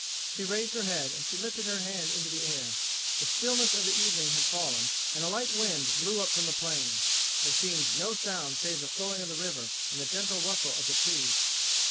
She raised her head and she lifted her hand into the air. The stillness of evening had fallen, and a light wind blew up from the plain. There seemed no sound save from the flowing of the river and the gentle rustle of the trees.